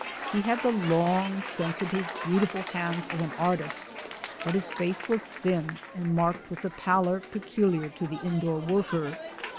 He had the long sensitive, beautiful hands of an artist, but his face was thin and marked with the pallor peculiar to the indoor worker.